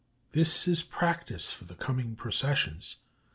This is practice for the coming processions.